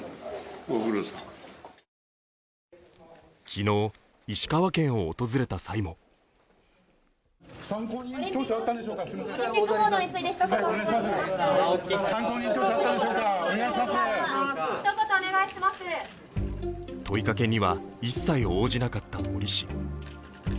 昨日、石川県を訪れた際も問いかけには一切応じなかった森氏。